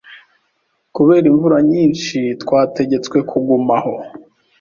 Kubera imvura nyinshi, twategetswe kuguma aho.